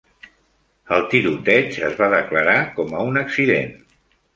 El tiroteig es va declarar com a un accident.